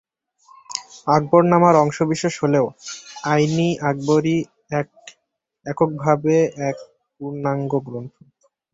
আকবরনামার অংশবিশেষ হলেও আইন-ই-আকবরী এককভাবেই এক পূর্ণাঙ্গ গ্রন্থ।